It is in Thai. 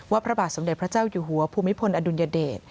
พระบาทสมเด็จพระเจ้าอยู่หัวภูมิพลอดุลยเดช